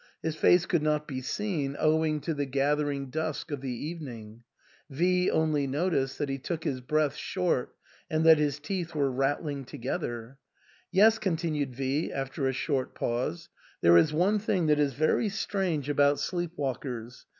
His face could THE ENTAIL. 305 not be seen, owing to the gathering dusk of the even ing ; V only noticed that he took his breath short and that his teeth were rattling together. " Yes," con tinued V after a short pause, " there is one thing that is very strange about sleep walkers.